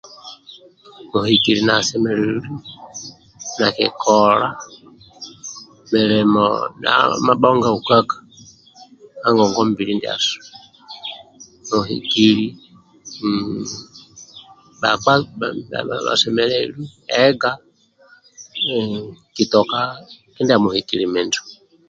Muhikili asemelelu nakikola milimonñ mabhonga ukaka ka ngongwa mbili ndiasu muhikili bhakapa bhasemelelu ega tuka kindia muhikili minjo